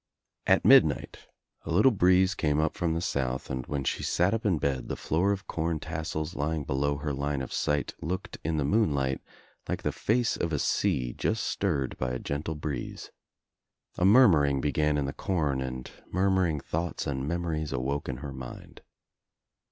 At midnight a little breeze came up from the south and when she sat up in bed the floor of corn tassels lying below her line of sight looked in the moonlight like the face of a sea just stirred by a gentle breeze. A murmuring began in the corn and murmuring thoughts and memories awoke In her mind.